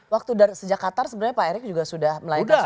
waktu sejak qatar sebenarnya pak erik juga sudah melayani protes kan